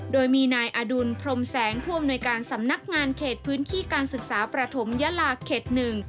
โดยมีนายอดุลพรมแสงผู้อำนวยการสำนักงานเขตพื้นที่การศึกษาประถมยาลาเขตหนึ่ง